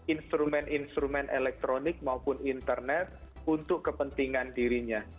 instrumen instrumen elektronik maupun internet untuk kepentingan dirinya